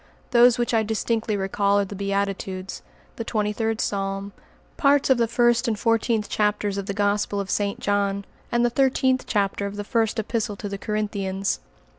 Those which I distinctly recall are the Beatitudes, the Twenty third Psalm, parts of the first and fourteenth chapters of the Gospel of St. John, and the thirteenth chapter of the First Epistle to the Corinthians.